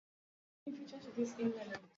Katakata kwa kufuata umbo unalotaka